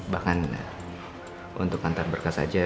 bahkan untuk kantor berkas aja